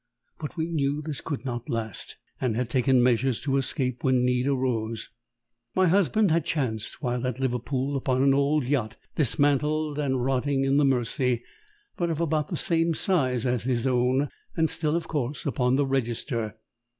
But we knew this could not last, and had taken measures to escape when need arose. My husband had chanced, while at Liverpool, upon an old yacht, dismantled and rotting in the Mersey but of about the same size as his own and still, of course, upon the register.